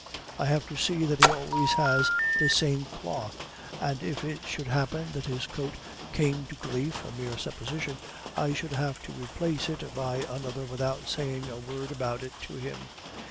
I have to see that he always has the same cloth; and if it should happen that his coat came to grief (a mere supposition), I should have to replace it by another without saying a word about it to him.